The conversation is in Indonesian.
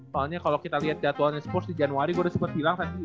soalnya kalo kita liat jadwal sports di januari gua udah sempet hilang tadi